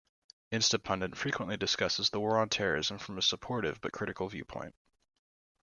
Instapundit frequently discusses the War on Terrorism from a supportive-but-critical viewpoint.